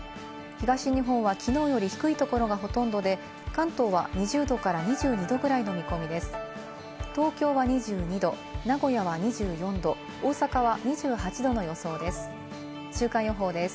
東日本はきのうより低いところがほとんどで、関東は２０度から２２度ぐらいの見込みです。